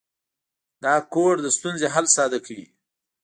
دا کوډ د ستونزې حل ساده کوي.